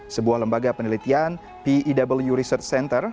sebuah lembaga penelitian pew research center